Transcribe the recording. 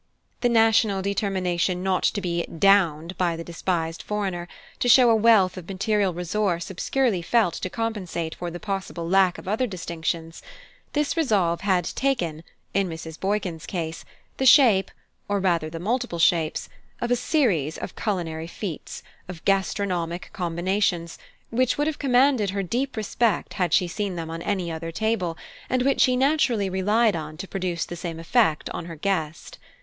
The national determination not to be "downed" by the despised foreigner, to show a wealth of material resource obscurely felt to compensate for the possible lack of other distinctions this resolve had taken, in Mrs. Boykin's case, the shape or rather the multiple shapes of a series of culinary feats, of gastronomic combinations, which would have commanded her deep respect had she seen them on any other table, and which she naturally relied on to produce the same effect on her guest.